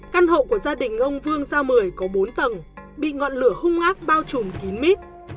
căn hộ của gia đình ông vương giao mười có bốn tầng bị ngọn lửa hung ngác bao trùm kín mít